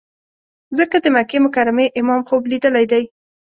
ځکه د مکې مکرمې امام خوب لیدلی دی.